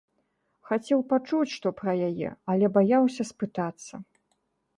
Хацеў пачуць што пра яе, але баяўся спытацца.